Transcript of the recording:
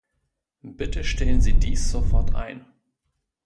Bitte stellen Sie dies sofort ein!